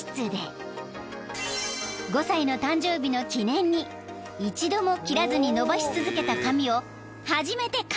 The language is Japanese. ［５歳の誕生日の記念に一度も切らずに伸ばし続けた髪を初めてカットすることに］